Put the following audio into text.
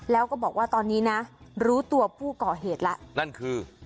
แล้วก็บอกว่าตอนนี้นะรู้ตัวผู้ก่อเหตุแล้วนั่นคือ